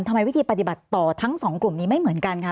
ทำไมวิธีปฏิบัติต่อทั้งสองกลุ่มนี้ไม่เหมือนกันคะ